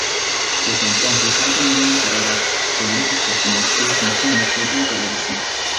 Desde entonces ha tenido una carrera prolífica como actriz en cine, teatro y televisión.